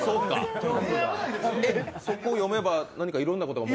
え、そこを読めば何かいろんなことが？